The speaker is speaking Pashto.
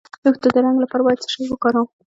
د ویښتو د رنګ لپاره باید څه شی وکاروم؟